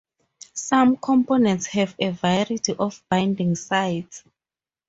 Some components have a variety of binding sites.